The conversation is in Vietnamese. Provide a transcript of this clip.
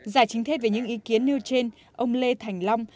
giải chính thêm về những ý kiến nêu trên ông lê thành long